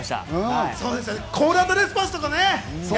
コール＆レスポンスとかね。